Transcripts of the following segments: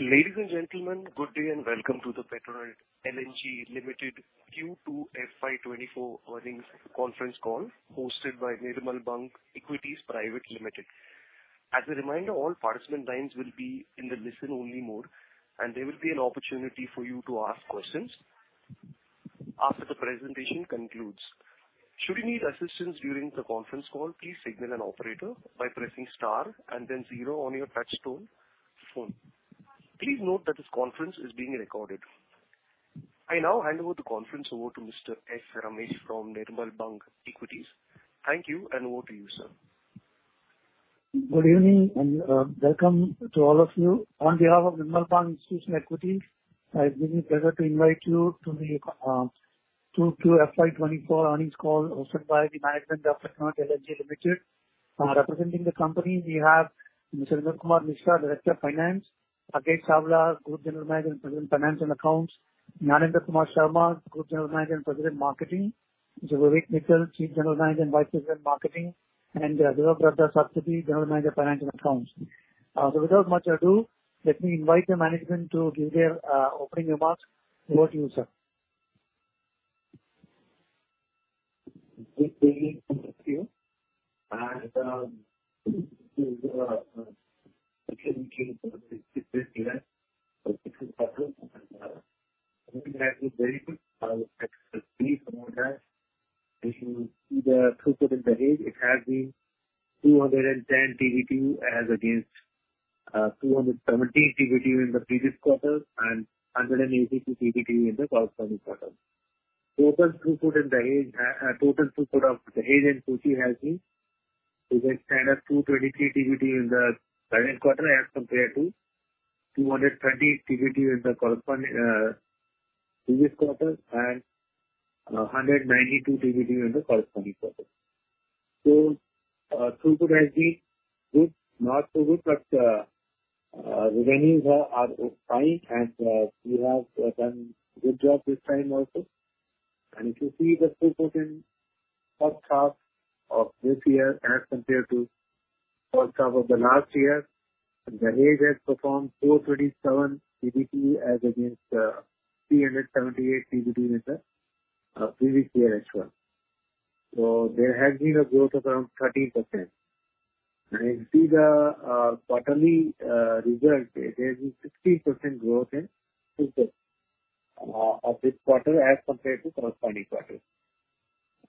Ladies and gentlemen, good day and welcome to the Petronet LNG Limited Q2 FY 2024 earnings conference call, hosted by Nirmal Bang Equities Private Limited. As a reminder, all participant lines will be in the listen-only mode, and there will be an opportunity for you to ask questions after the presentation concludes. Should you need assistance during the conference call, please signal an operator by pressing star and then zero on your touchtone phone. Please note that this conference is being recorded. I now hand over the conference over to Mr. S. Ramesh from Nirmal Bang Equities. Thank you, and over to you, sir. Good evening, and welcome to all of you. On behalf of Nirmal Bang Institutional Equities, it gives me pleasure to invite you to the Q2 FY 2024 earnings call hosted by the management of Petronet LNG Limited. Representing the company, we have Mr. Vinod Kumar Mishra, Director of Finance; Aakash Chawla, Group General Manager and President, Finance and Accounts; Narendra Kumar Sharma, Group General Manager and President, Marketing; Mr. Vivek Mittal, Chief General Manager and Vice President, Marketing; and Dilip Kumar Sastry, General Manager, Finance and Accounts. So without much ado, let me invite the management to give their opening remarks. Over to you, sir. Good evening to you, and to welcome you to this year's quarter. I think that was very good. Please note that if you see the throughput in Dahej, it has been 210 TBtu as against 217 TBtu in the previous quarter and 182 TBtu in the corresponding quarter. Total throughput of Dahej and Kochi has been 223 TBtu in the current quarter, as compared to 220 TBtu in the corresponding previous quarter, and 192 TBtu in the corresponding quarter. So, throughput has been good, not so good, but the revenues are fine, and we have done a good job this time also. If you see the throughput in first half of this year as compared to first half of the last year, Dahej has performed 427 TBTU as against 378 TBTU in the previous year as well. There has been a growth of around 13%. If you see the quarterly result, it has been 16% growth in throughput of this quarter as compared to corresponding quarter.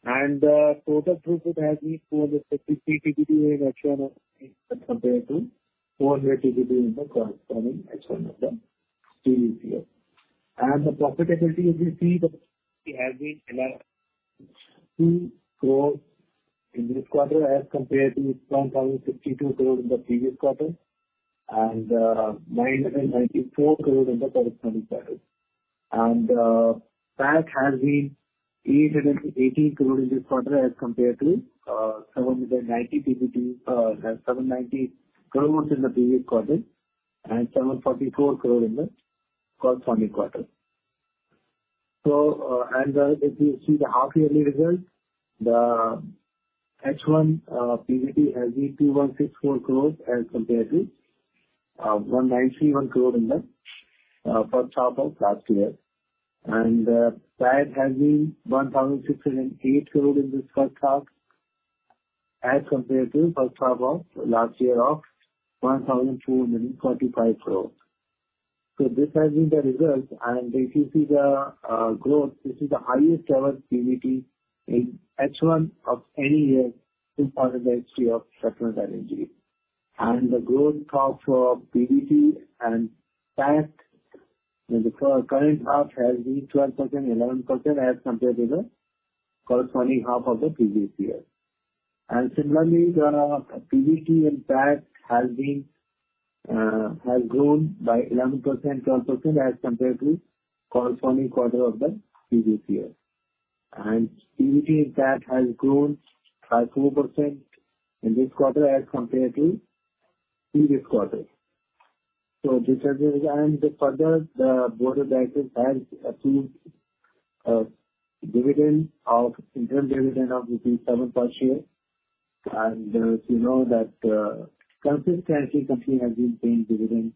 Total throughput has been 453 TBTU in H1 of this year as compared to 400 TBTU in the corresponding H1 of the previous year. The profitability, if you see, has been around 200 crore in this quarter as compared to 1,062 crore in the previous quarter, and 994 crore in the corresponding quarter. PAT has been 880 crore in this quarter as compared to seven hundred and ninety PBT, 790 crores in the previous quarter and 744 crore in the corresponding quarter. So, if you see the half-yearly result, the H1, PBT has been 2,164 crores as compared to 191 crore in the first half of last year. And, PAT has been 1,608 crore in this first half, as compared to first half of last year of 1,245 crores. So this has been the results, and if you see the growth, this is the highest ever PBT in H1 of any year in the history of Petronet LNG. The growth of PBT and PAT in the current half has been 12%, 11%, as compared to the corresponding half of the previous year. Similarly, the PBT and PAT has grown by 11%, 12% as compared to the corresponding quarter of the previous year. PBT and PAT has grown by 2% in this quarter as compared to the previous quarter. Further, the Board of Directors has approved a dividend of interim dividend of rupees 7 per share. You know, consistently, company has been paying dividend,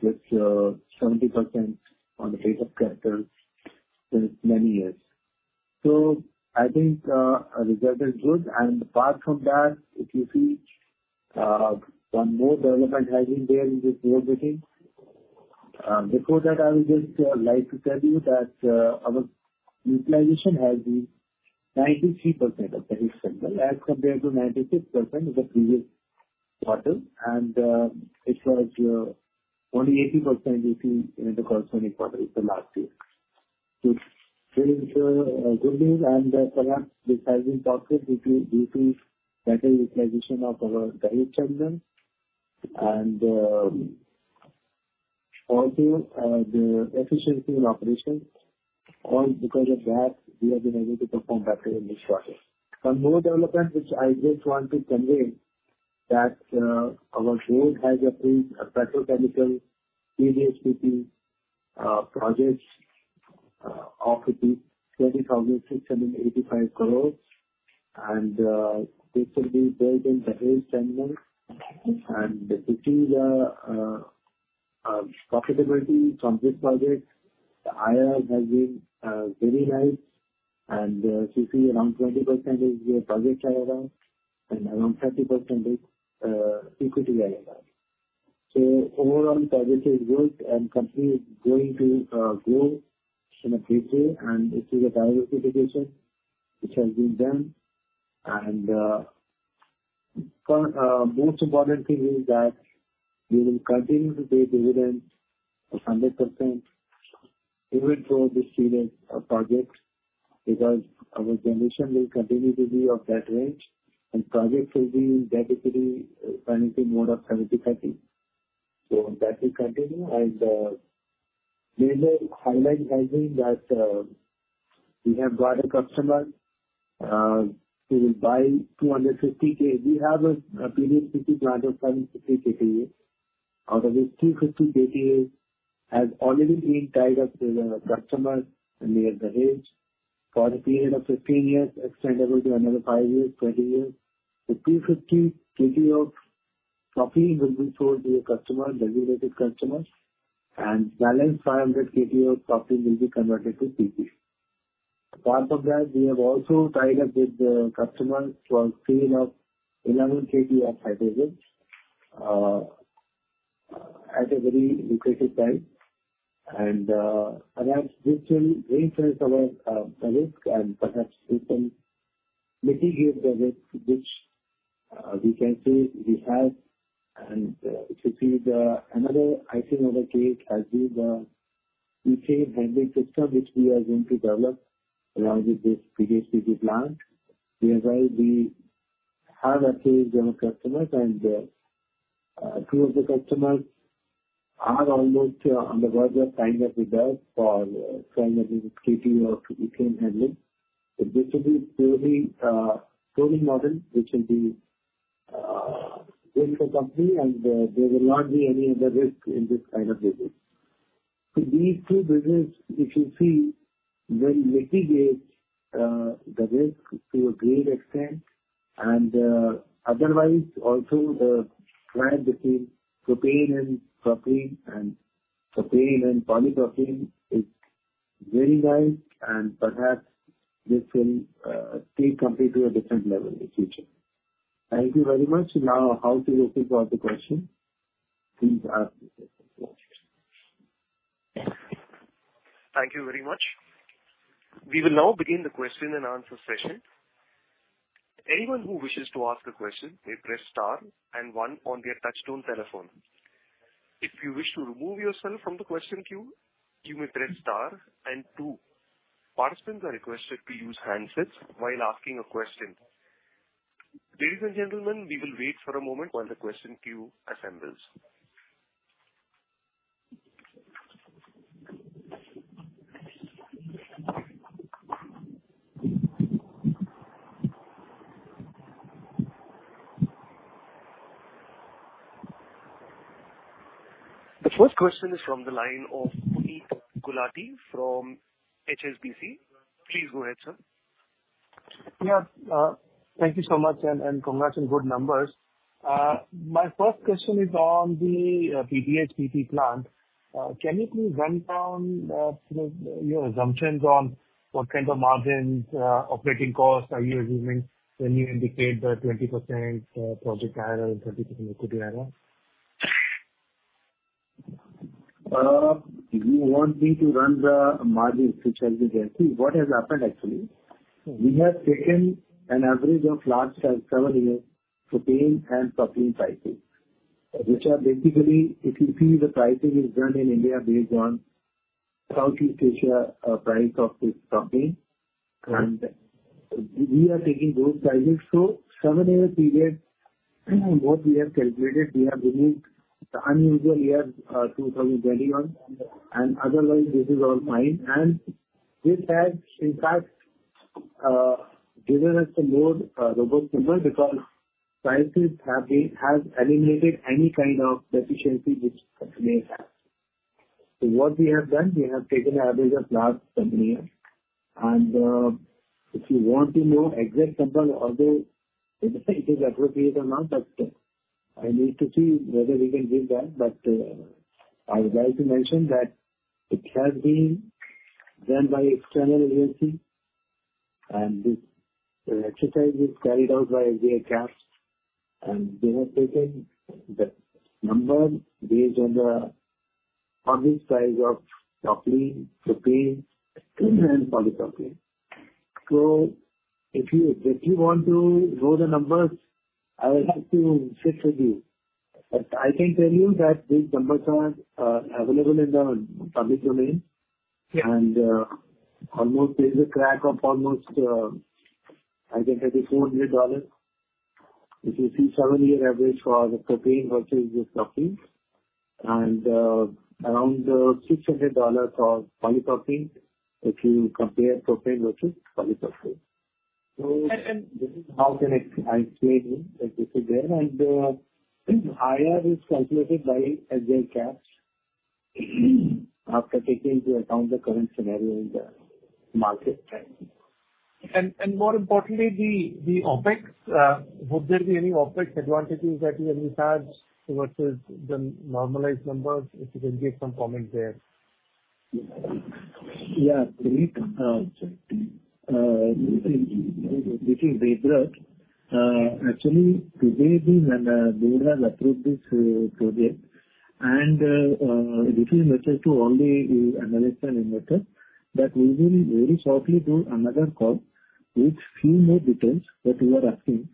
which, 70% on the base of capital since many years. I think the result is good. Apart from that, if you see, one more development has been there in this board meeting. Before that, I would just like to tell you that our utilization has been 93% this quarter, as compared to 96% in the previous quarter. It was only 80% in the corresponding quarter in the last year. It's good news, and perhaps this has been due to better utilization of our Dahej terminal and also the efficiency in operation. All because of that, we have been able to perform better in this quarter. One more development, which I just want to convey, is that our board has approved a petrochemical PDH/PP project. The cost of it is INR 30,685 crore, and this will be built in the next 10 months. This is the profitability from this project. The IRR has been very nice, and you see around 20% is your project IRR, and around 30% is equity IRR. So overall, the project is good and company is going to grow in a big way, and this is a diversification which has been done. For most important thing is that we will continue to pay dividends of 100% even for this period of projects, because our generation will continue to be of that range, and projects will be basically financing mode of 70/30. So that will continue. Major highlight has been that we have got a customer who will buy 250 KTA. We have a PDH 50 plant of 750 KTA. Out of this, 250 KTA has already been tied up to the customer in Deepak Phenolics for a period of 15 years, extendable to another five years, 20 years. The 250 KTA of propane will be sold to a customer, designated customer, and balance 500 KTA of propane will be converted to PP. Apart from that, we have also tied up with the customer for sale of 11 KTA of hydrogen at a very lucrative price. And, and that's literally influence our the risk and perhaps this can mitigate the risk which we can say we have. And, it will be the another icing on the cake as is the ethane handling system, which we are going to develop around this PDH/PP plant. We have sales to customers and two of the customers are almost on the verge of tying up with us for selling 1 KTA of PP ethane handling. So this will be a tolling model, which will be built for the company, and there will not be any other risk in this kind of business. So these two businesses, if you see, will mitigate the risk to a great extent. And otherwise, also, the linkage between propane and polypropylene is very nice, and perhaps this will take the company to a different level in the future. Thank you very much. Now, the floor is open for questions. Please ask the question. Thank you very much. We will now begin the question and answer session. Anyone who wishes to ask a question may press star and one on their touch-tone telephone. If you wish to remove yourself from the question queue, you may press star and two. Participants are requested to use handsets while asking a question. Ladies and gentlemen, we will wait for a moment while the question queue assembles. The first question is from the line of Puneet Gulati from HSBC. Please go ahead, sir. Yeah, thank you so much, and congrats on good numbers. My first question is on the PDH/PP plant. Can you please run down, you know, your assumptions on what kind of margins, operating costs are you assuming when you indicate the 20% project IRR and 20% equity IRR? You want me to run the margin, which has been there. See, what has happened actually, we have taken an average of last seven years, propane and propane pricing, which are basically, if you see, the pricing is done in India based on Southeast Asia, price of this propane. Right. We are taking those prices. Seven-year period, what we have calculated, we have removed the unusual years, 2021, and otherwise this is all fine. This has, in fact, given us a more robust number because prices have eliminated any kind of deficiency which may have. What we have done, we have taken an average of last seven years. If you want to know exact number, although it is appropriate amount, I need to see whether we can give that. I would like to mention that it has been done by external agency, and this exercise is carried out by a cast, and they have taken the number based on the public price of propylene propane, and polypropylene. If you want to know the numbers, I will have to check with you. But I can tell you that these numbers are available in the public domain. Yeah. Almost there's a crack of almost, I think that is $400. If you see seven-year average for the propane versus the propylene, and around $600 for polypropylene, if you compare propane versus polypropylene. So and this is how can it I say that this is there, and IRR is calculated by SBICAPS after taking into account the current scenario in the market trend. And more importantly, the OpEx, would there be any OpEx advantages that we have regas versus the normalized numbers? If you can give some comment there. Yeah. This is Narendra. Actually, today the board have approved this project, and this is a message to all the Analyst and Investors that we will very shortly do another call with few more details that you are asking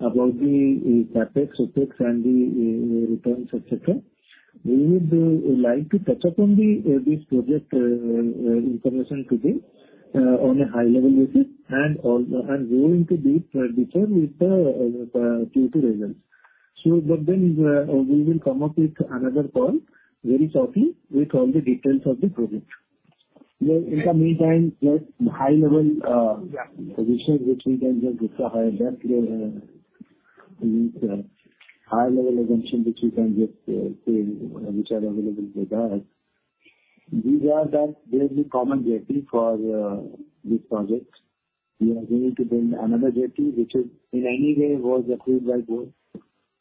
about the CapEx, OpEx, and the returns, etc.. We would like to touch upon this project information today on a high level basis and and go into deep detail with the Q2 results. So but then, we will come up with another call very shortly with all the details of the project. Well, in the meantime, just high level positions, which we can just discuss, that high level assumption, which you can just say, which are available with us. These are that there's the common jetty for this project. We are going to bring another jetty, which in any way was approved by board.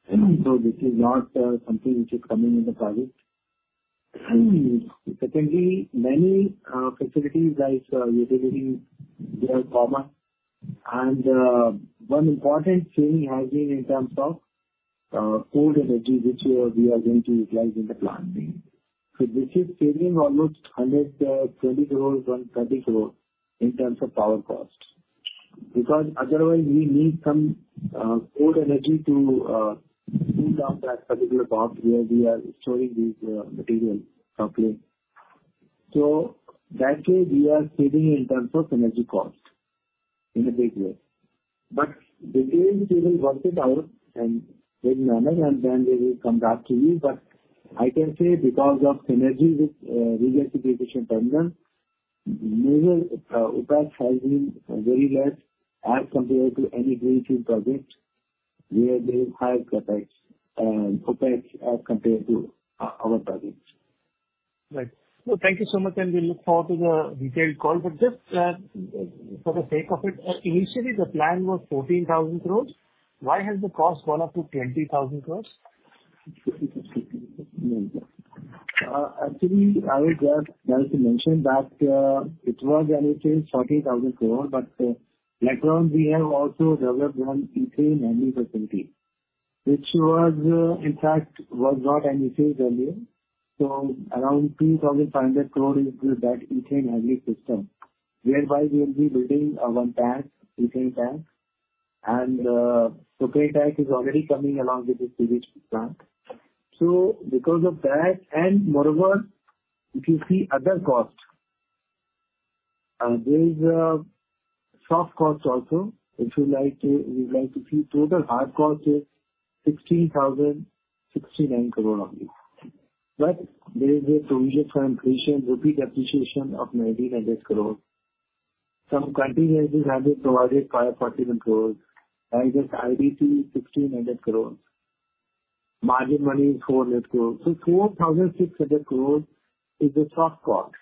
This is not something which is coming in the project. Secondly, many facilities like utility, they are common. One important thing has been in terms of cold energy, which we are going to utilize in the plant being. This is saving almost 120 crore-130 crore in terms of power cost, because otherwise we need some cold energy to cool down that particular part where we are storing these materials properly. That way we are saving in terms of energy cost in a big way. Detail, we will work it out and in manner, and then we will come back to you. But I can say because of synergy with regasification terminal, major OpEx has been very less as compared to any greenfield project, where there is high CapEx and OpEx as compared to our project. Right. Well, thank you so much, and we look forward to the detailed call. But just, for the sake of it, initially the plan was 14,000 crore. Why has the cost gone up to 20,000 crore? Actually, I would like to mention that it was initially 40,000 crore, but later on we have also developed one ethane handling facility, which was, in fact, not initially earlier. So around 2,500 crore is that ethane handling system, whereby we will be building one tank, ethane tank, and propane tank is already coming along with this PP plant. So because of that, and moreover, if you see other costs, and there is a soft cost also, if you like to, you'd like to see total hard cost is 16,069 crore rupees. But there is a provision for inflation, rupee depreciation of INR 1,900 crore. Some contingencies have been provided, INR 541 crore, and just IDC, 1,600 crore. Margin money, 400 crore. 4,600 crore is the soft cost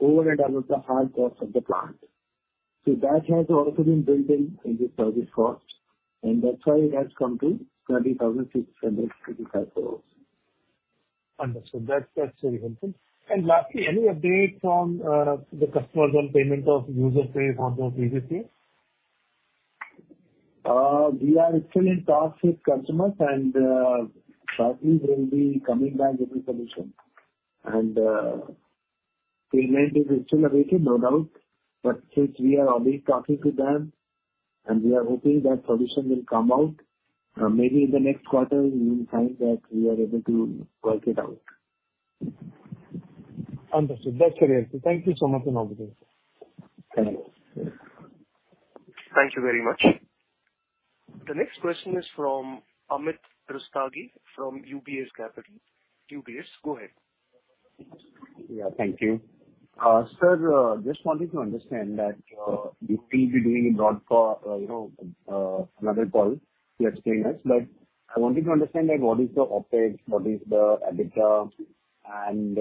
over and above the hard cost of the plant. That has also been built in, in this project cost, and that's why it has come to 30,655 crore. Understood. That's, that's very helpful. And lastly, any update on, the customers on payment of user fee on the previous year? We are still in talks with customers, and shortly we will be coming back with a solution. Payment is still awaited, no doubt, but since we are only talking to them, and we are hoping that solution will come out, maybe in the next quarter, we will find that we are able to work it out. Understood. That's clear. Thank you so much and have a good day. Thank you. Thank you very much. The next question is from Amit Trivedi from UBS Capital. UBS, go ahead. Yeah, thank you. Sir, just wanted to understand that you will be doing a broad call, you know, another call, you are telling us, but I wanted to understand, like, what is the OpEx, what is the EBITDA and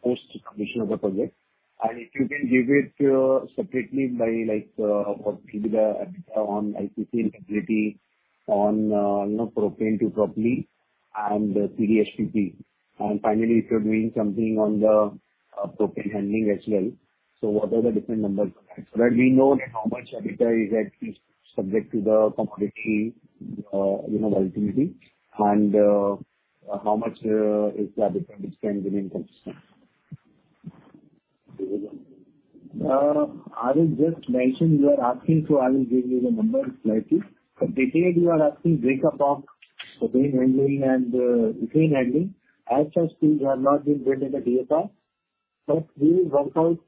post commission of the project. If you can give it separately by, like, what will be the EBITDA on integrated basis on, you know, propane to propylene and CDHPP. Finally, if you're doing something on the propane handling as well. What are the different numbers? That way we know how much EBITDA is at least subject to the commodity, you know, volatility, and how much is the EBITDA which can be consistent. I will just mention you are asking, so I will give you the numbers slightly. But detailed, you are asking break up of propane handling and, ethane handling. As such, things are not been there in the DPR, but we will work out,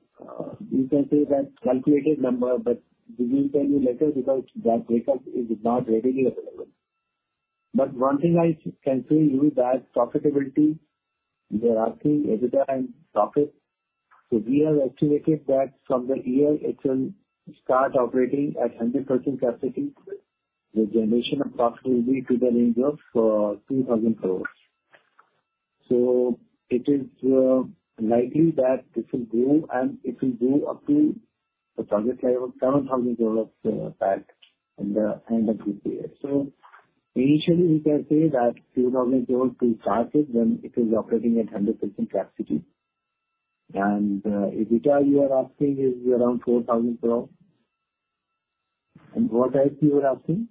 you can say that calculated number, but we will tell you later because that breakup is not readily available. But one thing I can tell you that profitability, there are three EBITDA and profit. So we have estimated that from the year it will start operating at 100% capacity, the generation of profit will be to the range of, 2,000 crore. So it is, likely that it will grow, and it will grow up to the target level, INR 7,000 crore, back in the end of this year. So initially, we can say that INR 2,000 crore will start it when it is operating at 100% capacity. And EBITDA you are asking is around 4,000 crore. And what else you are asking?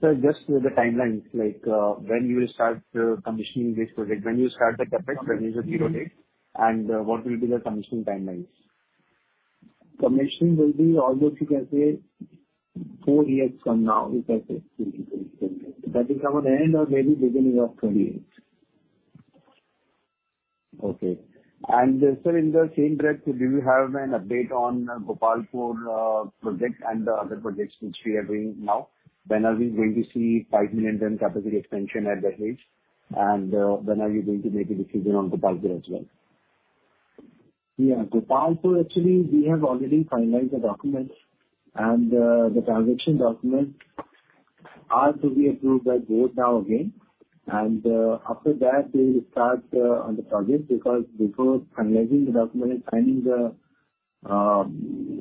Sir, just the timelines, like, when you will start commissioning this project, when you start the capacity, when is the zero date, and what will be the commissioning timelines? Commissioning will be almost, you can say, four years from now, we can say. That will come on the end or maybe beginning of 2028. Okay. And, sir, in the same breath, do you have an update on Gopalpur project and the other projects which we are doing now? When are we going to see 5 million ton capacity expansion at Dahej? And, when are you going to make a decision on Gopalpur as well? Yeah. Gopalpur, actually, we have already finalized the documents, and the transaction documents are to be approved by board now again. After that, we will start on the project, because before finalizing the document and signing the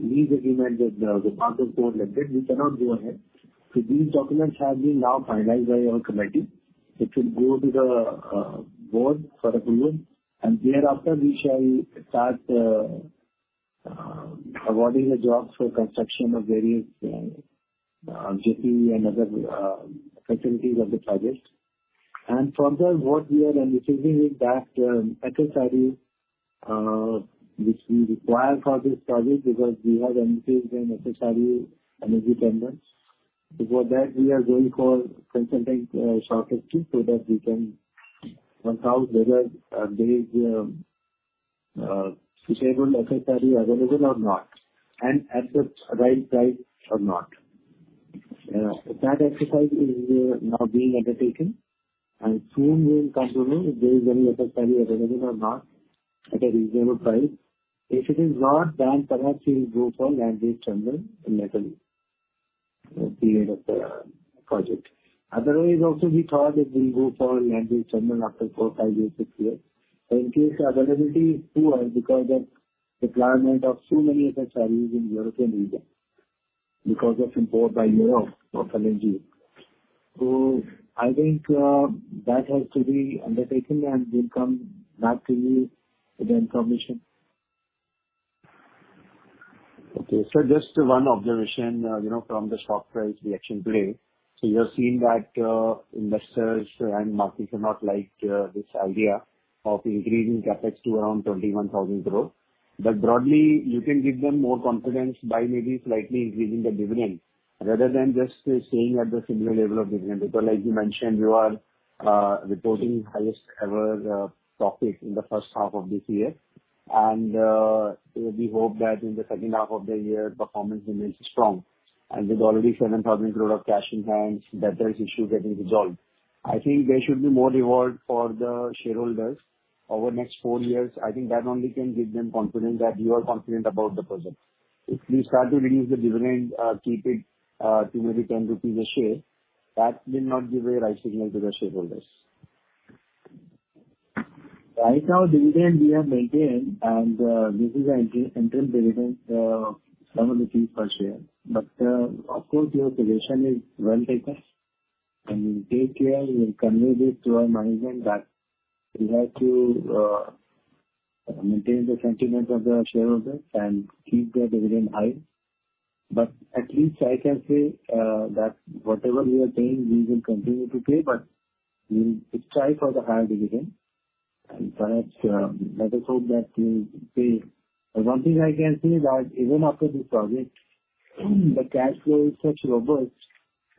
lease agreement with the Gopalpur port like that, we cannot go ahead. So these documents have been now finalized by our committee. It will go to the board for approval, and thereafter, we shall start awarding the jobs for construction of various jetty and other facilities of the project. And from the board, we are anticipating that FSRU, which we require for this project, because we have undertaken FSRU energy tender. Before that, we are going for consulting sources, so that we can consult whether there is sustainable FSRU available or not, and at the right price or not. That exercise is now being undertaken, and soon we will come to know if there is any FSRU available or not at a reasonable price. If it is not, then perhaps we will go for liquid terminal in that period of the project. Otherwise, also we thought that we'll go for liquid terminal after four, five years, six years. So in case availability is poor because of requirement of so many FSRUs in European region, because of import by Europe of LNG. So I think that has to be undertaken, and we'll come back to you with the information. Okay. So just one observation, you know, from the stock price reaction today. So you have seen that, investors and markets have not liked, this idea of increasing CapEx to around 21,000 crore. But broadly, you can give them more confidence by maybe slightly increasing the dividend, rather than just staying at the similar level of dividend. Because like you mentioned, you are, reporting highest ever, profit in the first half of this year. And, we hope that in the second half of the year, performance remains strong. And with already 7,000 crore of cash in hand, that there is issue getting resolved. I think there should be more reward for the shareholders over the next four years. I think that only can give them confidence that you are confident about the project. If you start to reduce the dividend, keep it to maybe 10 rupees a share, that may not give a right signal to the Shareholders. Right now, dividend we have maintained, and this is an interim dividend, INR 70 per share. But of course, your suggestion is well taken, and we'll take care. We will convey this to our management that we have to maintain the sentiment of the shareholders and keep the dividend high. But at least I can say that whatever we are paying, we will continue to pay, but we will try for the higher dividend, and perhaps, let us hope that we'll pay. One thing I can say that even after this project, the cash flow is such robust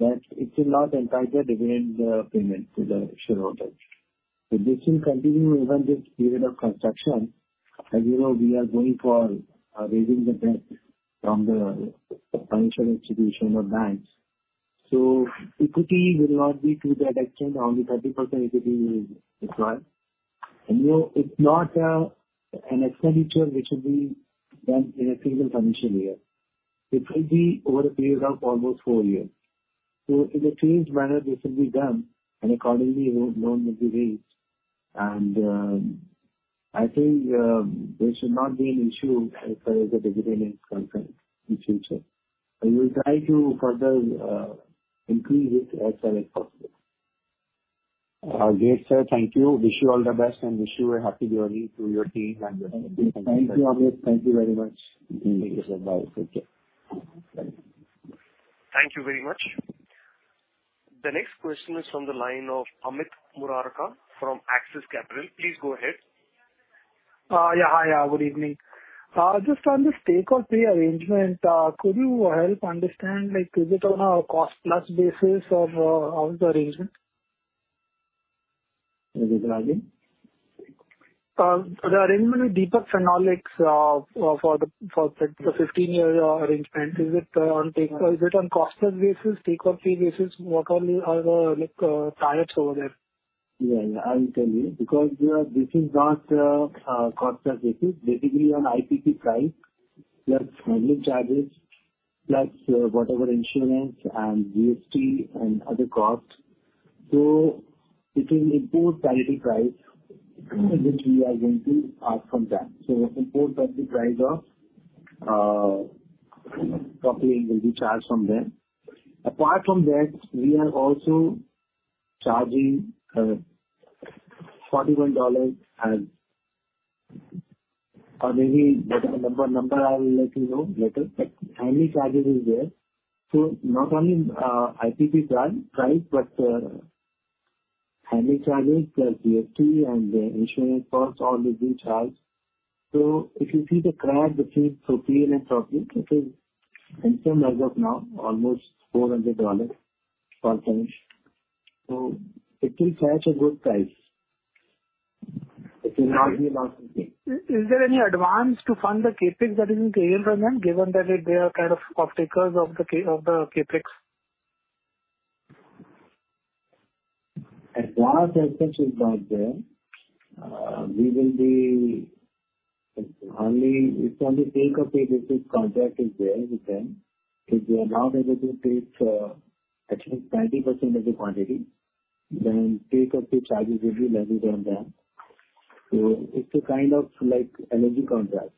that it will not entice the dividend payment to the shareholders. So this will continue even this period of construction. As you know, we are going for raising the debt from the financial institution or banks. So equity will not be to that extent. Only 30% equity will is required. You know, it's not, an expenditure which will be done in a single financial year. It will be over a period of almost four years. In a phased manner, this will be done, and accordingly, we will know the rates. I think, there should not be an issue as far as the dividend is concerned in future. We'll try to further, increase it as well as possible. Great, sir. Thank you. Wish you all the best and wish you a happy journey to your team and your- Thank you, Amit. Thank you very much. Thank you, sir. Bye. Take care. Bye. Thank you very much. The next question is from the line of Amit Murarka from Axis Capital. Please go ahead. Yeah. Hi, yeah, good evening. Just on this take-or-pay arrangement, could you help understand, like, is it on a cost-plus basis or, how is the arrangement? [garbled] The arrangement with Deepak Phenolics for the 15-year arrangement, is it on cost plus basis, take or pay basis? What are the tariffs over there? Yeah, yeah, I will tell you. Because this is not a cost plus basis, basically on IPP price, plus handling charges, plus whatever insurance and GST and other costs. So it is import parity price, which we are going to ask from them. So import parity price of propane will be charged from them. Apart from that, we are also charging $41 as—or maybe whatever number I will let you know later, but handling charges is there. So not only IPP price, but handling charges, plus GST and the insurance costs, all will be charged. So if you see the crack between propane and propane, it is same as of now, almost $400 per ton. So it will fetch a good price. It will not be lost. Is there any advance to fund the CapEx that entails, ma'am, given that they are kind of off-takers of the CapEx? Advance as such is not there. We will be only. It's only take or pay basis contract is there with them. If they are not able to take, at least 90% of the quantity, then take or pay charges will be levied on them. So it's a kind of like energy contract.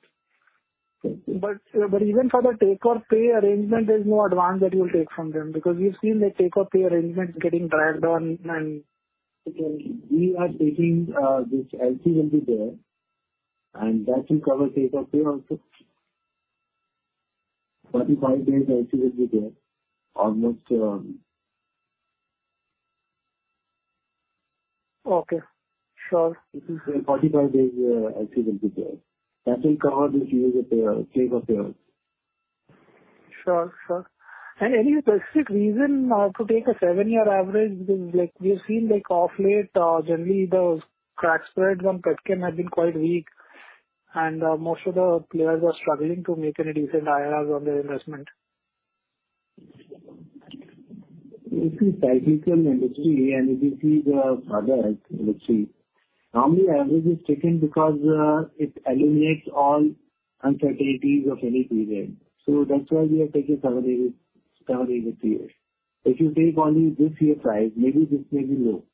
But even for the take-or-pay arrangement, there's no advance that you'll take from them, because we've seen the take-or-pay arrangement getting dragged on, and- We are taking, this LC will be there, and that will cover Take or Pay also. 45 days LC will be there. Almost— Okay, sure. This is 45 days, LC will be there. That will cover this year's take or pay. Sure, sure. And any specific reason to take a seven-year average? Because, like, we've seen, like, of late, generally the crack spreads on Petronet have been quite weak, and most of the players are struggling to make any decent IRRs on their investment. If you see cyclical industry, and if you see the other industry, normally average is taken because it eliminates all uncertainties of any period. So that's why we are taking seven-eight, seven-eight years. If you take only this year price, maybe this may be low,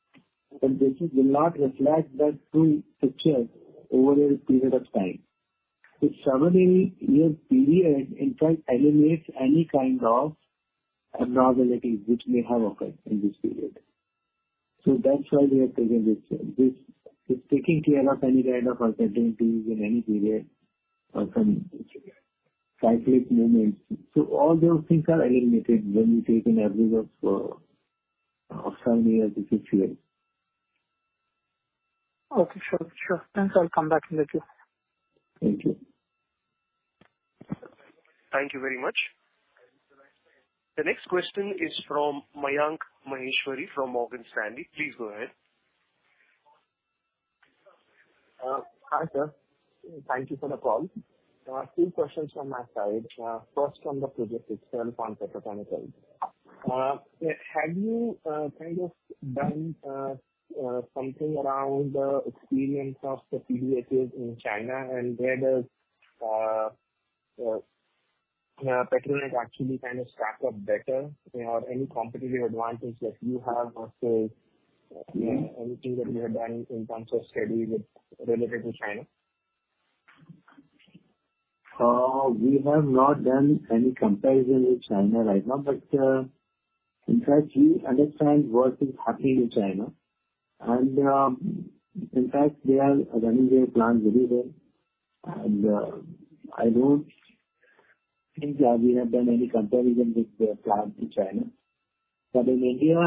but this will not reflect that true picture over a period of time. So seven-eight year period, in fact, eliminates any kind of abnormalities which may have occurred in this period. So that's why we have taken this. This, this taking care of any kind of uncertainties in any period or some cyclic movements. So all those things are eliminated when you take an average of seven years to six years. Okay, sure, sure. Thanks. I'll come back to you. Thank you. Thank you very much. The next question is from Mayank Maheshwari, from Morgan Stanley. Please go ahead. Hi, sir. Thank you for the call. Two questions from my side. First, from the project itself on petrochemical. Have you kind of done something around the experience of the PDH's in China, and where does Petronet actually kind of stack up better? Or any competitive advantage that you have or, say, anything that you have done in terms of study with related to China? We have not done any comparison with China right now, but in fact, we understand what is happening in China. In fact, they are running their plants very well. I don't think that we have done any comparison with the plants in China. But in India,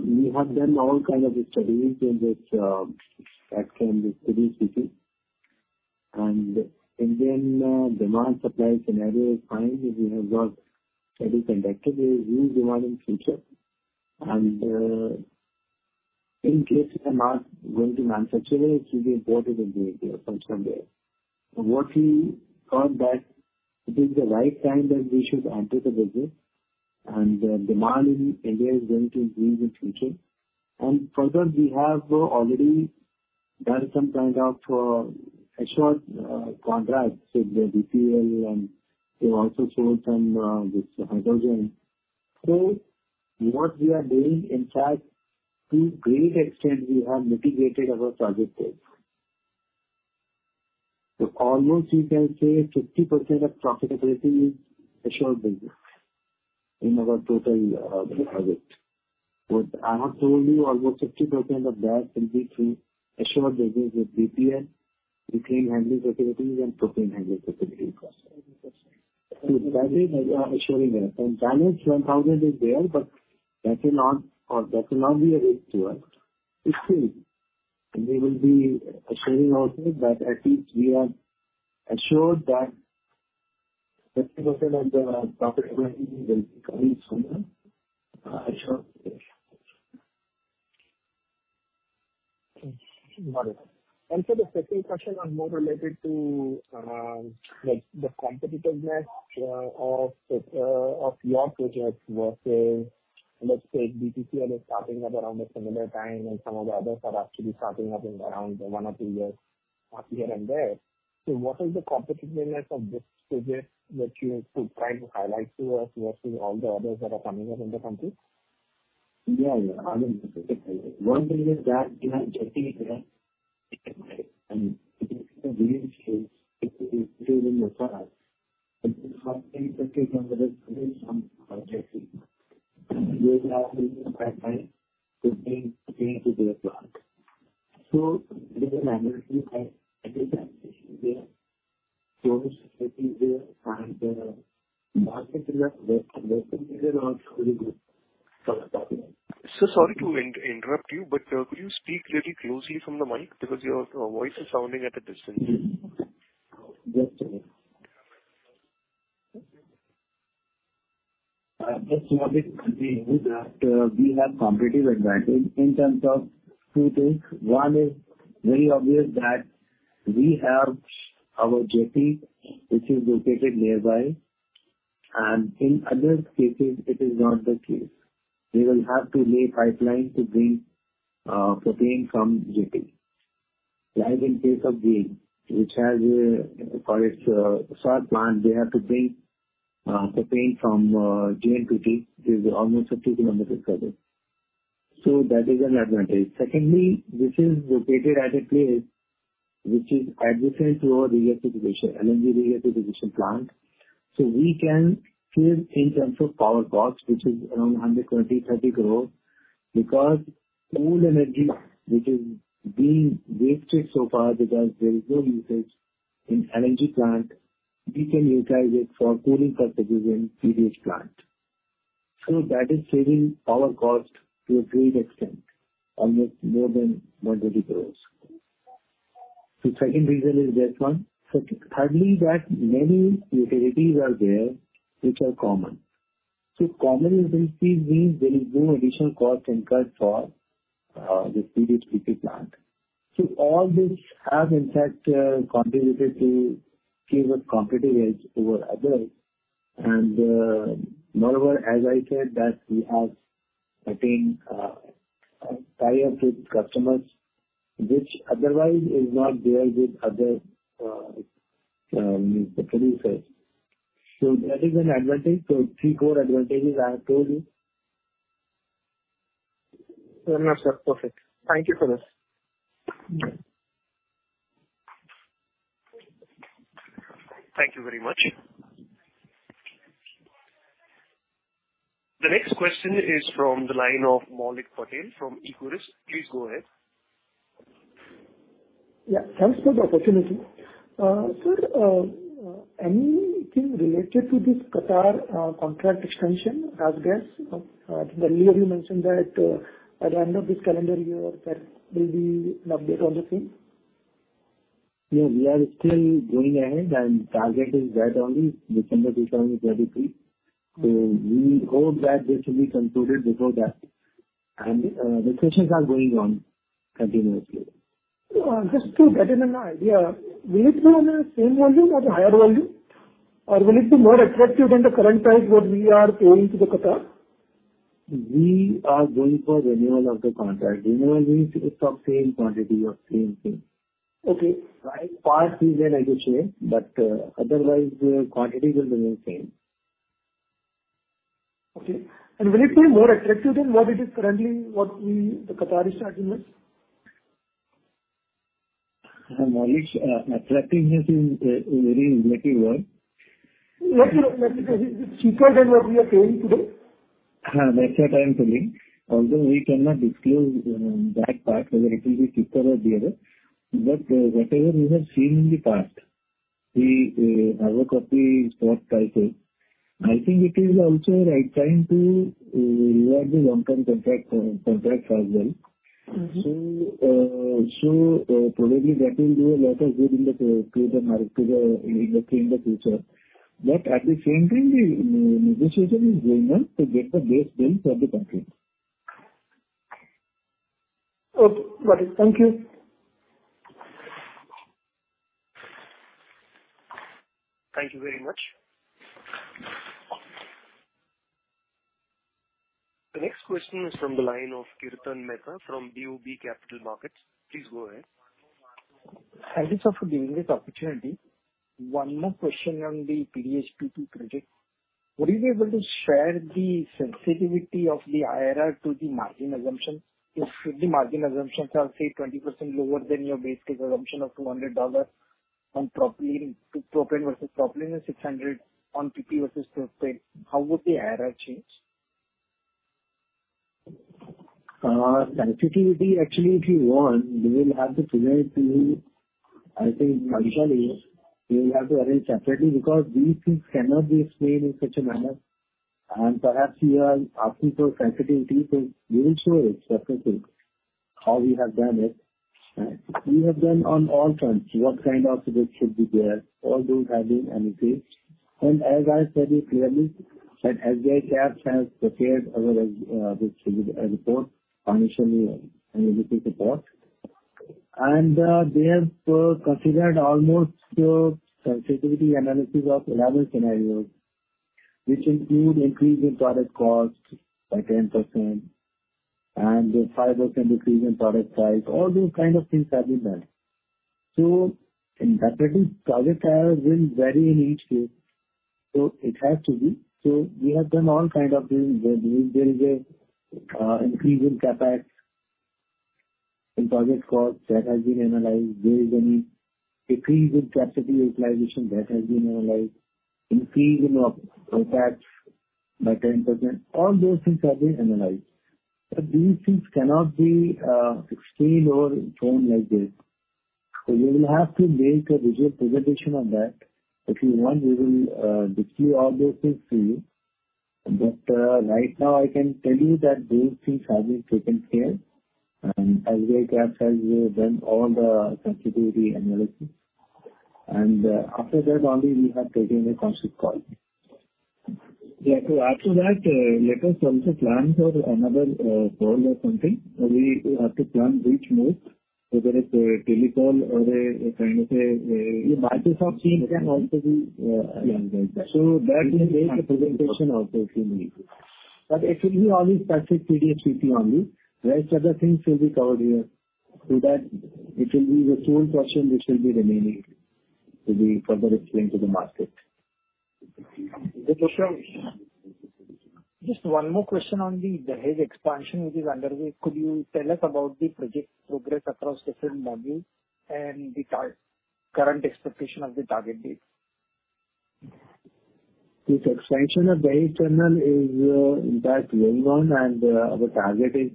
we have done all kind of studies in this action with PDH. Indian demand supply scenario is fine. We have got study conducted, we will demand in future. In case we are not going to manufacture, it will be imported into India from somewhere. What we thought that it is the right time that we should enter the business, and the demand in India is going to increase in future. Further, we have already done some kind of assured contracts with DPL, and we've also sold some hydrogen. What we are doing, in fact, to a great extent, we have mitigated our project risk. Almost you can say 50% of profitability is assured business in our total project. What I have told you, almost 50% of that will be through assured business with DPL, between handling facilities and propane handling facilities. That is assuring there. And damage 1,000 is there, but that will not, or that will not be a risk to us. It's safe. We will be assuring also that at least we are assured that 50% of the profit will be coming from there. Sure. Got it. And so the second question is more related to, like the competitiveness, of, of your projects versus, let's say, BPCL is starting up around a similar time, and some of the others are actually starting up in around one or two years, up here and there. So what is the competitiveness of this project that you could try to highlight to us versus all the others that are coming up in the country? Yeah, I mean, one thing is that, you know, getting it done, and it has been the case in the past. It is how things are taken on the risk from our perspective. We are quite biased towards being able to do it well. So there is an advantage and disadvantage there. So it is there and the market is not really good for the time. Sir, sorry to interrupt you, but could you speak really closely from the mic? Because your voice is sounding at a distance. Yes, sir. Just to add it, we have competitive advantage in terms of two things. One is very obvious that we have our jetty, which is located nearby, and in other cases, it is not the case. We will have to lay pipeline to bring propane from jetty. Like in case of the—which has for its short plant, they have to bring propane from GNPT, which is almost 50 km away. So that is an advantage. Secondly, this is located at a place which is adjacent to our regasification LNG regasification plant. So we can save in terms of power cost, which is around 120 crores-130 crores, because cold energy, which is being wasted so far because there is no usage in LNG plant, we can utilize it for cooling purposes in PDH plant. So that is saving power cost to a great extent, almost more than 100 crore. The second reason is this one. So thirdly, that many utilities are there, which are common. So common utilities means there is no additional cost incurred for the PDH/PP plant. So all this have in fact contributed to give a competitive edge over others. And moreover, as I said, that we have, I think, tie-up with customers, which otherwise is not there with other producers. So that is an advantage. So three core advantages I have told you. I understand. Perfect. Thank you for this. Thank you very much. The next question is from the line of Maulik Patel from Equirus. Please go ahead. Yeah. Thanks for the opportunity. Sir, anything related to this QatarGas contract extension? Earlier you mentioned that at the end of this calendar year, there may be an update on the same. Yeah, we are still going ahead and target is that only, December 2023. So we hope that this will be concluded before that, and the discussions are going on continuously. Just to get an idea, will it be on the same volume or higher volume? Or will it be more attractive than the current price, what we are paying to the Qatar? We are going for renewal of the contract. Renewal means it's of same quantity or same thing. Okay. Price part may negotiate, but otherwise the quantity will remain same. Okay. Will it be more attractive than what it is currently, what we, the Qataris are giving us? Maulik, attractiveness is a very relative word. Let's say, is it cheaper than what we are paying today? That's what I'm saying. Although we cannot disclose that part, whether it will be cheaper or the other, but whatever we have seen in the past, we have a copy for prices. I think it is also right time to review our long-term contract, contract as well. Mm-hmm. So, probably that will do a lot of good in the, to the market, in the, in the future. But at the same time, the negotiation is going on to get the best deal for the country. Okay, got it. Thank you. Thank you very much. The next question is from the line of Kirtan Mehta from BOB Capital Markets. Please go ahead. Thanks also for giving this opportunity. One more question on the PDH/PP project. Would you be able to share the sensitivity of the IRR to the margin assumptions? If the margin assumptions are, say, 20% lower than your base case assumption of $200 on propylene, to propane versus propylene, and $600 on PP versus propane, how would the IRR change? The sensitivity, actually, if you want, we will have to present to you. I think, Manisha is, we will have to arrange separately, because these things cannot be explained in such a manner. And perhaps you are asking for sensitivity, but we will show it, sensitivity, how we have done it, right? We have done on all fronts, what kind of risk should be there, all those have been analyzed. And as I said it clearly, that SBICAPS has prepared our risk report, financially analytical report. And they have considered almost sensitivity analysis of 11 scenarios, which include increase in product cost by 10% and the 5% decrease in product price. All those kind of things have been done. So in that case, project costs will vary in each case, so it has to be. So we have done all kind of things. There is an increase in CapEx and project costs that has been analyzed. There is an increase in capacity utilization that has been analyzed, increase in OpEx by 10%. All those things have been analyzed, but these things cannot be explained or shown like this. So we will have to make a visual presentation on that. If you want, we will discuss all those things to you. But right now I can tell you that those things have been taken care, and SBICAPS has done all the sensitivity analysis. And after that only we have taken the concept call. Yeah. So after that, let us also plan for another call or something. We have to plan which mode, whether it's a telecall or a kind of a. Yeah, Microsoft Teams can also be, yeah. So that we make a presentation also if we need to. But it will be only specific PDH only. Rest of the things will be covered here. So that it will be the sole question which will be remaining to be further explained to the market. Just one more question on the Dahej expansion, which is underway. Could you tell us about the project progress across different modules and the current expectation of the target date? This expansion of Dahej terminal is, in fact, going on, and the target is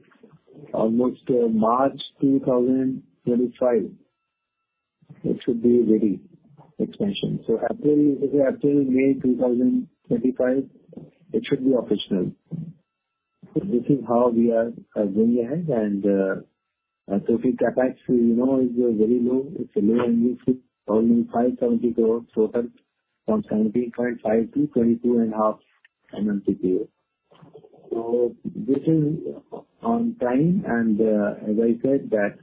almost March 2025. It should be ready, expansion. So after May 2025, it should be operational. This is how we are going ahead. And, so the CapEx, you know, is very low. It's a low cost LNG, only 570 crores, so from 17.5 MMTPA to 22.5 MMTPA. So this is on time, and, as I said, that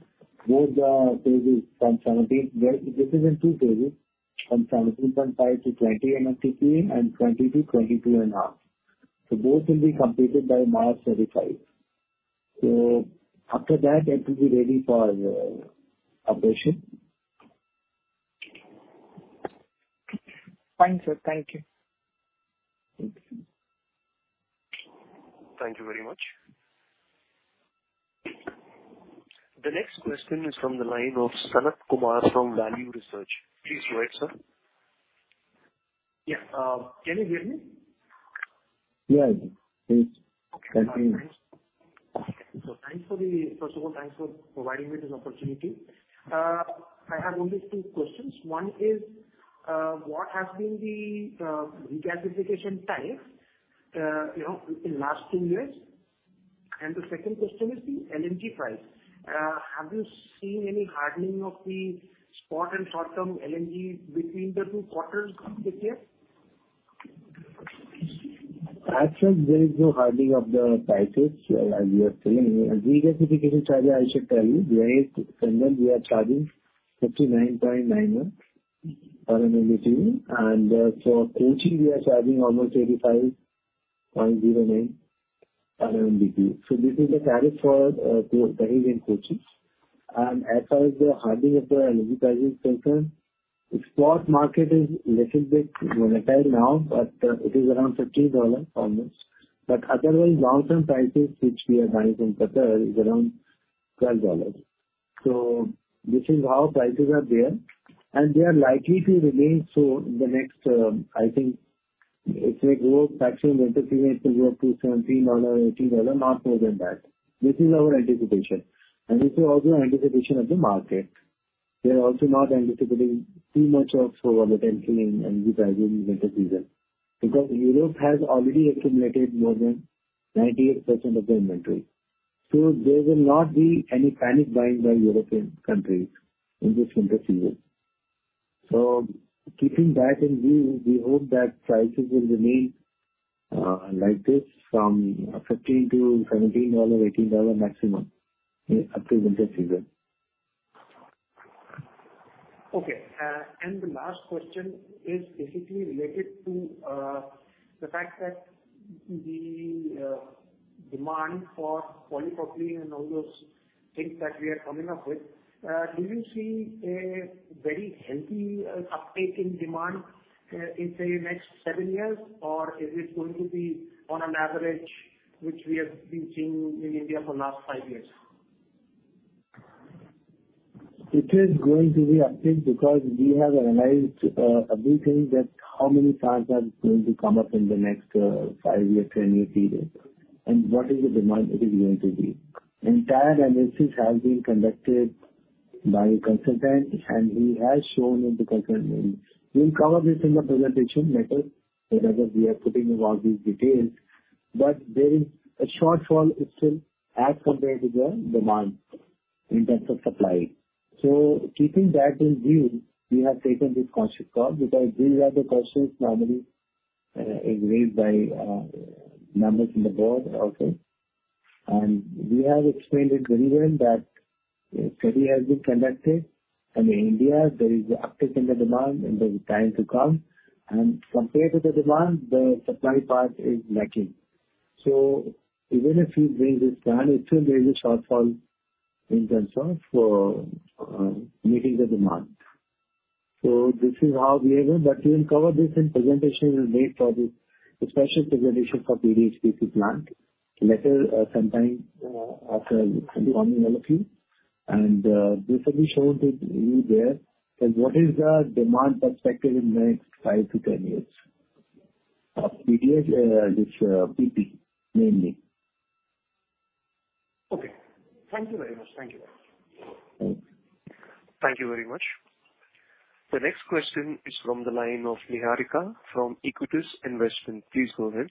both the phases. Well, this is in two phases, from 17.5MMTPA to 20 MMTPA, and 20 MMTPA to 22.5 MMTPA. So both will be completed by March 2025. So after that, it will be ready for operation. Fine, sir. Thank you. Thank you. Thank you very much. The next question is from the line of Sanat Kumar from Value Research. Please go ahead, sir. Yeah, can you hear me? Yeah, I do. Okay, thanks. Thanks for providing me this opportunity. I have only two questions. One is, what has been the regasification tariff, you know, in the last two years? The second question is the LNG price. Have you seen any hardening of the spot and short-term LNG between the two quarters this year? As such, there is no hardening of the prices as we are seeing. Regasification charge, I should tell you, Dahej terminal, we are charging 59.99 MMBTU, and for Kochi, we are charging almost 85.09 MMBTU. So this is the tariff for Dahej and Kochi. And as far as the hardening of the LNG pricing is concerned, the spot market is little bit volatile now, but it is around $15 almost. But otherwise, long-term prices, which we are buying from Qatar, is around $12. So this is how prices are there, and they are likely to remain so in the next... I think it may go maximum winter season, it will go up to $17, $18, not more than that. This is our anticipation, and this is also anticipation of the market. They are also not anticipating too much of soar potential in LNG pricing in winter season, because Europe has already accumulated more than 98% of the inventory. So there will not be any panic buying by European countries in this winter season. So keeping that in view, we hope that prices will remain like this from $15-$17, $18 maximum in upcoming winter season. Okay. And the last question is basically related to the fact that the demand for polypropylene and all those things that we are coming up with. Do you see a very healthy uptake in demand in, say, next seven years? Or is it going to be on an average, which we have been seeing in India for the last five years? It is going to be uptake because we have analyzed everything that how many times that is going to come up in the next five-year, ten-year period, and what is the demand it is going to be. Entire analysis has been conducted by a consultant, and he has shown in the consultant. We'll cover this in the presentation later, because we are putting all these details, but there is a shortfall is still as compared to the demand in terms of supply. So keeping that in view, we have taken this conscious call, because these are the questions normally is raised by members in the board also. And we have explained it very well that a study has been conducted, and India, there is uptick in the demand in the time to come, and compared to the demand, the supply part is lacking. So even if you bring this plan, it still there is a shortfall in terms of for meeting the demand. So this is how we are able, but we'll cover this in presentation we made for the special presentation for PDH/PP plant later sometime after in the morning, all of you. And this will be shown to you there. And what is the demand perspective in the next five-10 years of PDH, which PP mainly. Okay. Thank you very much. Thank you. Thank you very much. The next question is from the line of Niharika from Aequitas Investment. Please go ahead.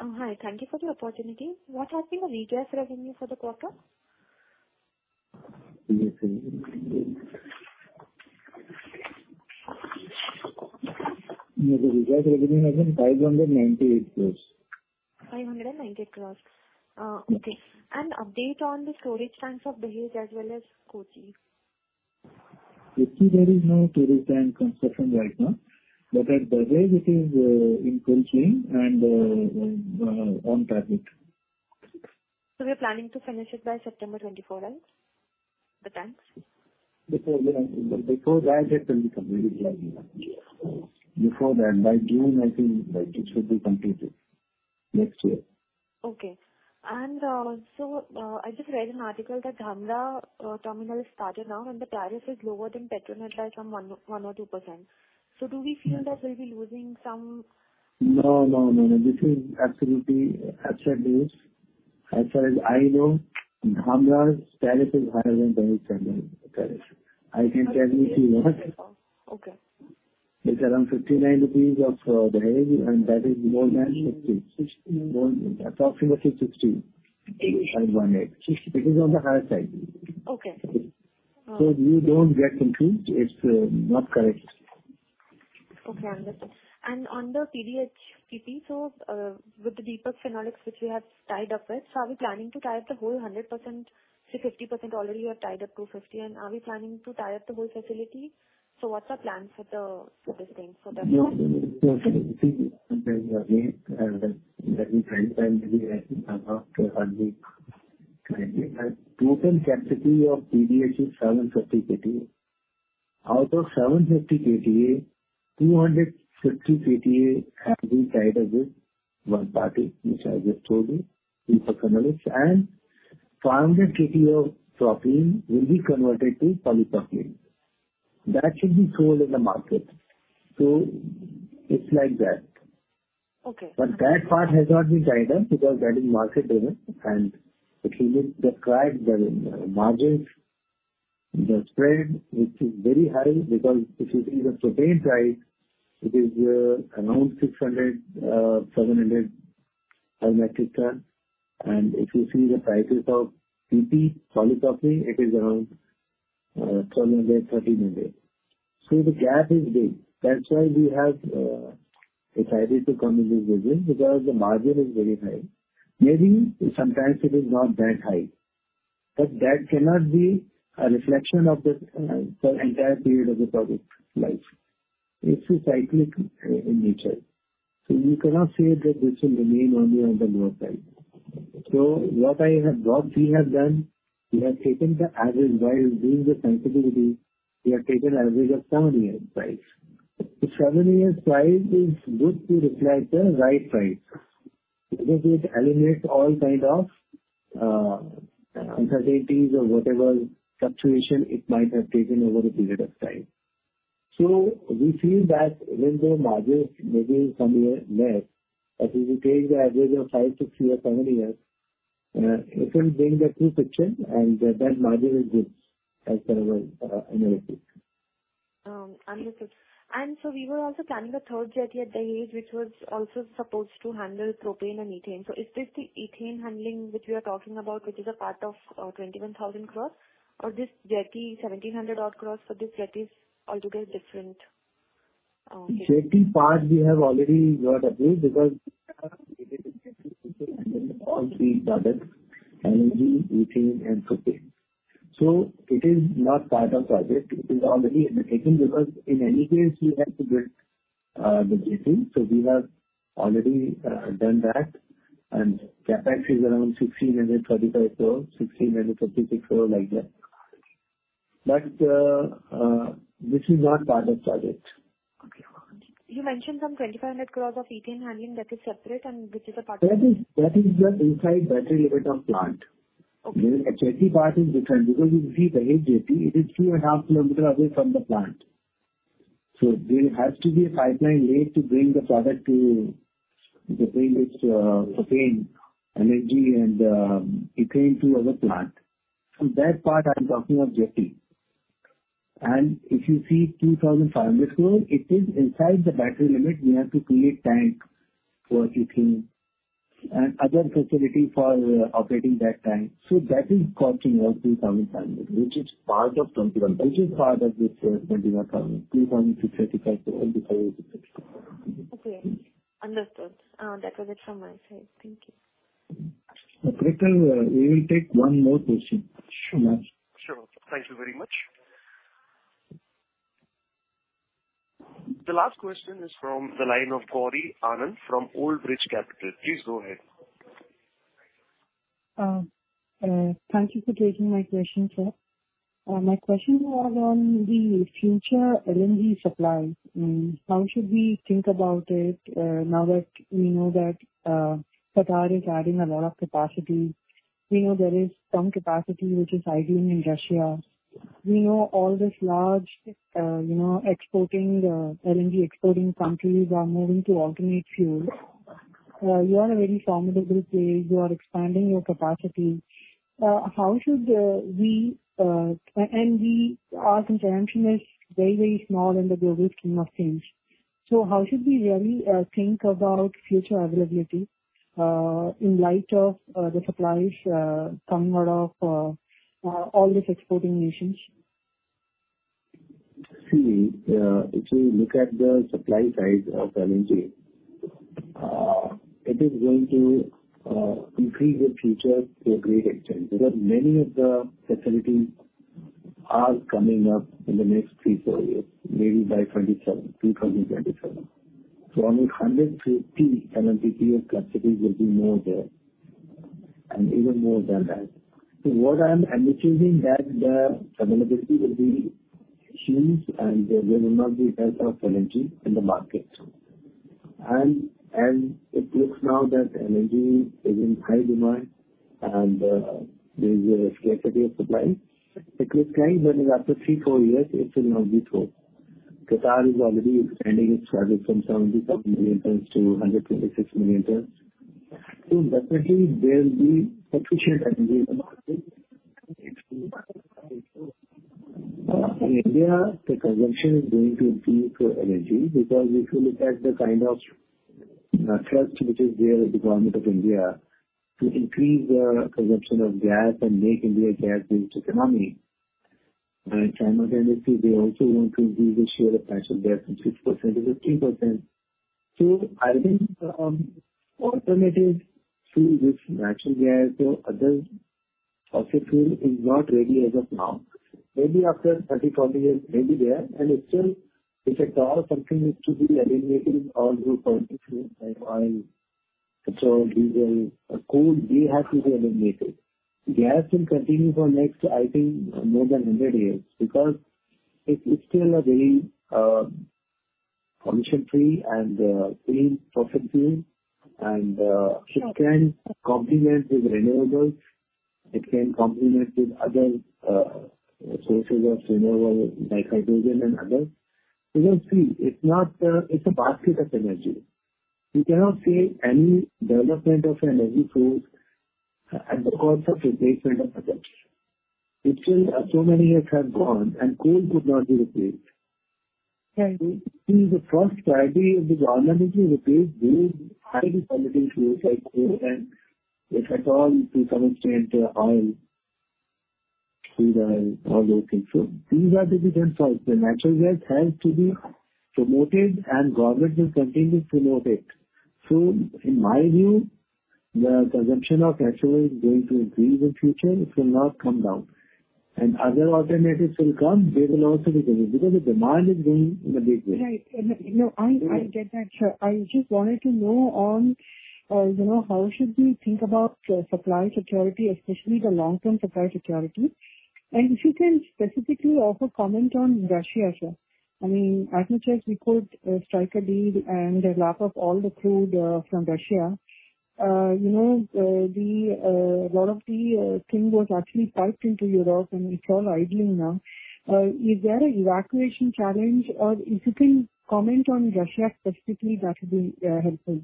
Oh, hi. Thank you for the opportunity. What has been the Dahej revenue for the quarter? The regas revenue has been INR 598 crore. INR 598 crore. Okay. Update on the storage tanks of Dahej as well as Kochi. Kochi, there is no storage tank construction right now, but at Dahej, it is in full swing and on target. We're planning to finish it by September 2024, right? The tanks. Before that, before that, it will be completed by then. Before that, by June, I think, like, it should be completed next year. Okay. So, I just read an article that Dhamra terminal is started now, and the tariff is lower than Petronet by some 1%-2%. So do we feel that we'll be losing some? No, no, no, no. This is absolutely absurd news. As far as I know, Dhamra's tariff is higher than the tariff. I can tell you what. Okay. It's around 59 rupees of Dahej, and that is more than 60. 60. More, approximately 68. It is on the higher side. Okay. So you don't get confused. It's not correct. Okay, understood. On the PDH/PP, so with the Deepak Phenolics, which we have tied up with, so are we planning to tie up the whole 100% to 50%? Already you are tied up to 50, and are we planning to tie up the whole facility? So what's the plan for this thing for the future? Yeah. Again, let me try and give you some of the total capacity of PDH is 750 KTA. Out of 750 KTA, 250 KTA have been tied up with one party, which I just told you, Deepak Phenolics. And 500 KTA of propylene will be converted to polypropylene. That should be sold in the market. So it's like that. Okay. But that part has not been tied up because that is market driven, and if you look at the price, the margins, the spread, which is very high, because if you see the propane price, it is around $600-$700 per metric ton. And if you see the prices of PP, polypropylene, it is around $1200-$1300. So the gap is big. That's why we have decided to come in this business, because the margin is very high. Maybe sometimes it is not that high, but that cannot be a reflection of the entire period of the product life. It's cyclic in nature, so you cannot say that this will remain only on the lower side. So what I have, what we have done, we have taken the average. While doing the sensitivity, we have taken average of seven years price. The seven years price is good to reflect the right price, because it eliminates all kind of uncertainties or whatever fluctuation it might have taken over a period of time. So we feel that even though margins may be somewhere less, but if you take the average of five to six or seven years, it will bring the true picture, and that margin is good as per our analysis. Understood. And so we were also planning the third jetty at Dahej, which was also supposed to handle propane and ethane. So is this the ethane handling which we are talking about, which is a part of 21,000 crore, or this jetty 1,700-odd crore for this jetty is altogether different? jetty part, we have already got approved because[garbled] the products and ethane and propane. So it is not part of project. It is already in the taking, because in any case, we have to build the jetty. So we have already done that, and CapEx is around 1,635 crore, 1,636 crore, like that. But this is not part of project. Okay. You mentioned some 2,500 crore of ethane handling, that is separate, and which is a part of- That is, that is the inside battery limit of plant. Okay. The jetty part is different, because if we take jetty, it is 3.5 km away from the plant. There has to be a pipeline laid to bring the product to the place, obtain energy, and it came to other plant. That part I'm talking of jetty. If you see 2,500 sq m, it is inside the battery limit. We have to create tank for keeping and other facility for operating that tank. That is costing us 2,500, which is part of 21,000, which is part of this 21,000, 2.635-25. Okay, understood. That was it from my side. Thank you. Okay. We will take one more question. Sure, sure. Thank you very much. The last question is from the line of Gauri Anand from Old Bridge Capital. Please go ahead. Thank you for taking my question, sir. My question was on the future LNG supply. How should we think about it, now that we know that Qatar is adding a lot of capacity? We know there is some capacity which is idling in Russia. We know all this large, you know, exporting LNG exporting countries are moving to alternate fuels. You are a very formidable player. You are expanding your capacity. How should we... And we, our consumption is very, very small in the global scheme of things. So how should we really think about future availability, in light of the supplies coming out of all these exporting nations? See, if you look at the supply side of LNG, it is going to increase the future to a great extent. Because many of the facilities are coming up in the next three, four years, maybe by 2027, 2027. So almost 150 LNG capacity will be more there, and even more than that. So what I'm anticipating that the availability will be huge, and there will not be enough of LNG in the market. And it looks now that LNG is in high demand, and there is a scarcity of supply. It looks like that after three, four years, it will not be true. Qatar is already expanding its project from 77 million tons to 126 million tons. So definitely there will be sufficient energy in the market. In India, the consumption is going to increase for LNG, because if you look at the kind of trust which is there with the government of India to increase the consumption of gas and make India a gas-based economy. And China, they also want to increase the share of natural gas from 6% to 15%. So I think, alternatives to this natural gas or other fossil fuel is not ready as of now. Maybe after 30, 40 years, maybe there, and it still, if at all, continues to be eliminated all through political and oil. So these are coal, they have to be eliminated. Gas will continue for next, I think, more than 100 years, because it, it's still a very emission free and clean fossil fuel, and it can complement with renewables, it can complement with other sources of renewable, like hydrogen and others. You can see it's not, it's a basket of energy. You cannot see any development of an energy source at the cost of replacement of production. It's still so many years have gone and coal could not be replaced. And this is the first priority of the government is replace those highly polluting fuels like coal and, if at all, to come into oil, crude oil, all those things. So these are the different sides. The natural gas has to be promoted, and government will continue to promote it. In my view, the consumption of natural is going to increase in future; it will not come down. Other alternatives will come; they will also be coming, because the demand is going in a big way. Right. And, you know, I get that, sir. I just wanted to know on, you know, how should we think about the supply security, especially the long-term supply security? And if you can specifically also comment on Russia, sir. I mean, at least we could strike a deal and lap up all the crude from Russia. You know, a lot of the thing was actually piped into Europe, and it's all idling now. Is there an evacuation challenge, or if you can comment on Russia specifically, that would be helpful.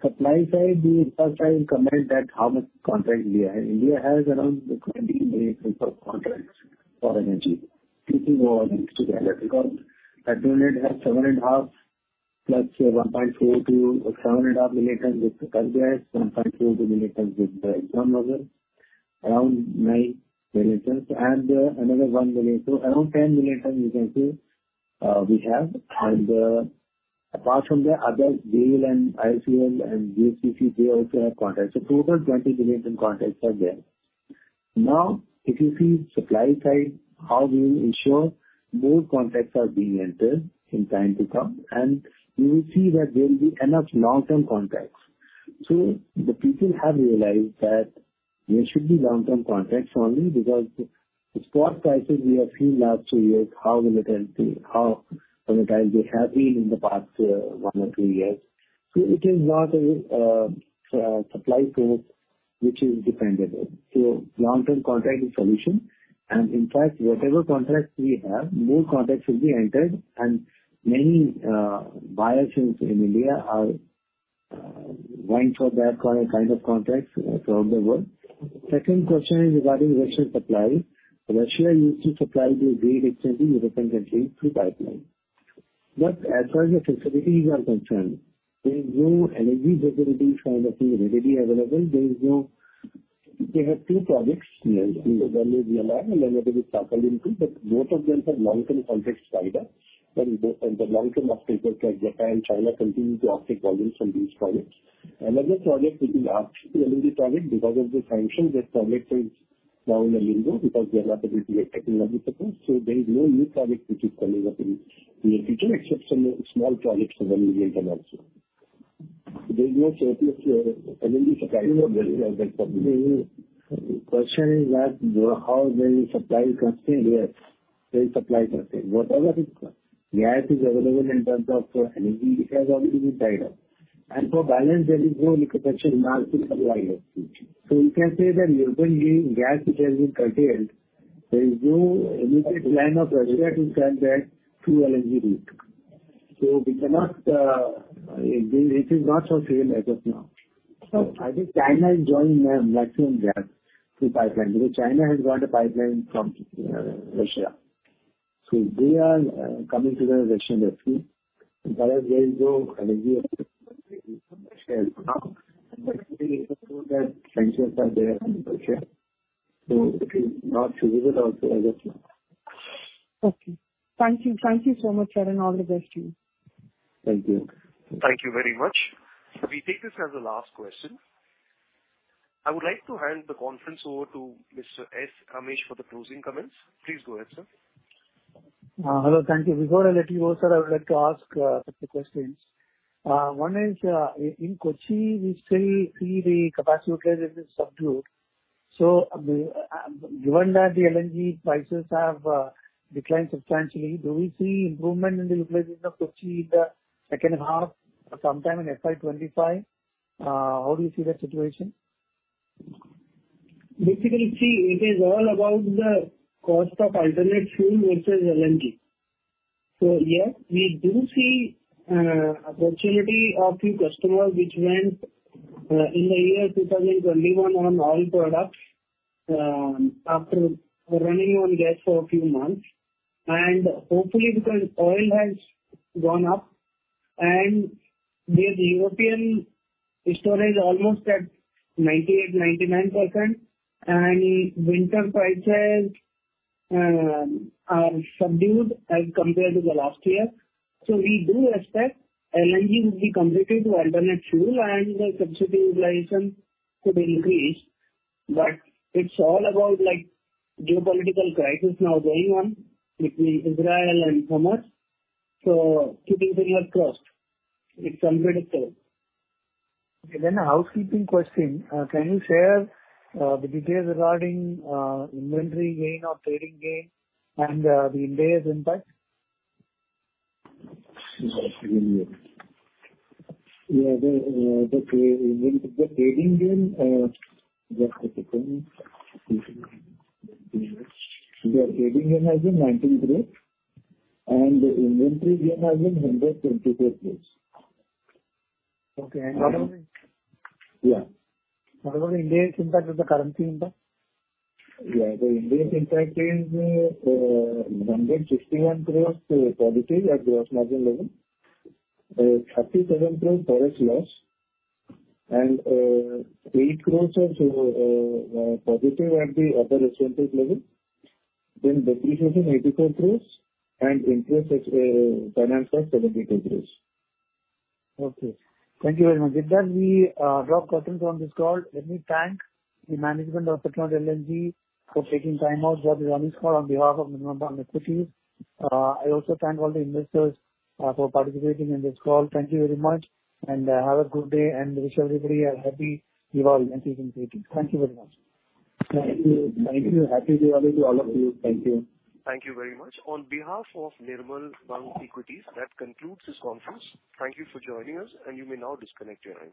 Supply side, we first have to comment that how much contract India has. India has around 20 million ton contracts for LNG, putting all these together, because Petronet has 7.5+, 1.4 to 7.5 million tons with QatarGas, 1.42 million tons with ExxonMobil, around 9 million tons, and another 1 million. So around 10 million tons, you can say, we have. And, apart from the other, GAIL and IOCL and BPCL, they also have contracts. So total 20 million ton contracts are there. Now, if you see supply side, how we will ensure more contracts are being entered in time to come, and you will see that there will be enough long-term contracts. So the people have realized that there should be long-term contracts only because the spot prices we have seen last two years, how volatility, how sometimes they have been in the past, one or two years. So it is not a supply source which is dependable. So long-term contract is solution, and in fact, whatever contracts we have, more contracts will be entered, and many buyers in India are going for that kind of contracts from the world. Second question is regarding Russian supply. Russia used to supply the great extent independently through pipeline. But as far as the facilities are concerned, there is no energy facilities kind of thing readily available. There is no—they have two projects, one is Yamal, another is Sakhalin-2, but both of them have long-term contracts tied up, and the, and the long-term of Japan, China continue to offer volumes from these projects. Another project, which is actually LNG project, because of the sanction, that project is now in a limbo because they are not able to get technological support. So there is no new project which is coming up in the future, except some small projects in the medium and also. There is no surplus LNG supply available for them. The question is that, how their supply constrained there? They supply whatever is available in terms of energy, it has already been tied up. And for balance, there is no liquefaction market supply. So you can say that European gas, which has been curtailed, there is no immediate line of Russia to send that through LNG route. So we cannot. It is not so clear as of now. So I think China is joining them maximum gas to pipeline, because China has got a pipeline from Russia. So they are coming to the Russian rescue, because there is no energy from Russia as of now, but they ensure that sanctions are there on Russia. So it is not feasible also as of now. Okay. Thank you. Thank you so much, Vinod. All the best to you. Thank you. Thank you very much. We take this as the last question. I would like to hand the conference over to Mr. S. Ramesh for the closing comments. Please go ahead, sir. Hello. Thank you. Before I let you go, sir, I would like to ask few questions. One is, in Kochi, we still see the capacity utilization is subdued. So the, given that the LNG prices have declined substantially, do we see improvement in the utilization of Kochi in the second half or sometime in FY 2025? How do you see the situation? Basically, see, it is all about the cost of alternate fuel versus LNG. So yes, we do see opportunity of few customers which went in the year 2021 on oil products after running on gas for a few months. And hopefully because oil has gone up and the European storage is almost at 98%-99%, and winter prices are subdued as compared to the last year. So we do expect LNG will be competitive to alternate fuel and the substitute utilization could increase, but it's all about, like, geopolitical crisis now going on between Israel and Hamas. So keeping fingers crossed, it's unpredictable. A housekeeping question. Can you share the details regarding inventory gain or trading gain and the Ind AS impact? Yeah, the trading gain, just a second. The trading gain has been INR 19 crore, and the inventory gain has been INR 123 crore. Okay, and— Yeah. What about Ind AS impact with the currency impact? Yeah, the Ind AS impact is 161 crore positive at gross margin level, 37 crore forex loss, and 8 crore positive at the other associates level, then depreciation, 84 crore, and interest, finance cost, 72 crore. Okay. Thank you very much. With that, we draw curtains on this call. Let me thank the management of Petronet LNG for taking time out to join this call on behalf of Nirmal Bang Equities. I also thank all the investors for participating in this call. Thank you very much and have a good day, and wish everybody a happy Diwali in advance. Thank you very much. Thank you. Thank you. Happy Diwali to all of you. Thank you. Thank you very much. On behalf of Nirmal Bang Equities, that concludes this conference. Thank you for joining us, and you may now disconnect your lines.